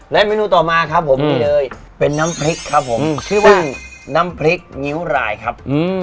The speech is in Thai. และเมนูต่อมาครับผมนี่เลยเป็นน้ำพริกครับผมชื่อว่าน้ำพริกงิ้วรายครับ